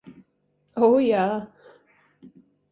O, jā!